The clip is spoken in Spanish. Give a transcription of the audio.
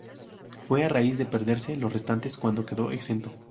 Fue a raíz de perderse los restantes cuando quedó exento.